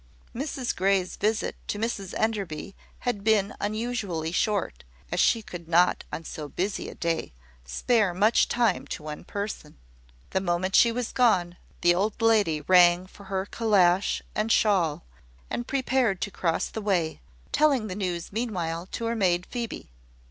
Mrs Grey's visit to Mrs Enderby had been unusually short, as she could not, on so busy a day, spare much time to one person. The moment she was gone, the old lady rang for her calash and shawl, and prepared to cross the way, telling the news meanwhile to her maid Phoebe.